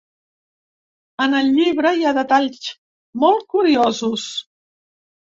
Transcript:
En el llibre hi ha detalls molt curiosos.